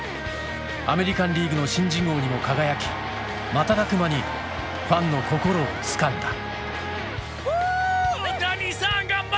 アメリカン・リーグの新人王にも輝き瞬く間にファンの心をつかんだ。